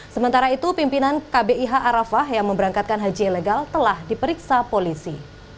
sementara itu pimpinan kbih arafah yang memberangkatkan haji ilegal telah diperiksa polisi